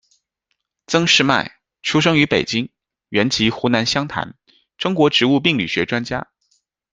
曾士迈，出生于北京，原籍湖南湘潭，中国植物病理学专家。